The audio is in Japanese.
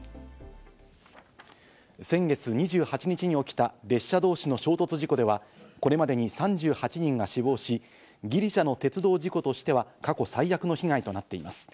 先月２８日に起きた列車同士の衝突事故では、これまでに３８人が死亡し、ギリシャの鉄道事故としては過去最悪の被害となっています。